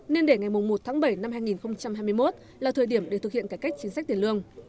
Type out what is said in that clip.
nên để ngày một tháng bảy năm hai nghìn hai mươi một là thời điểm để thực hiện cải cách chính sách tiền lương